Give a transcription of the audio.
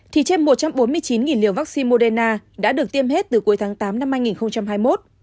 thì trên một trăm bốn mươi chín liều vaccine moderna đã được tiêm hết từ cuối tháng tám năm hai nghìn hai mươi một